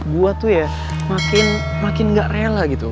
gue tuh ya makin gak rela gitu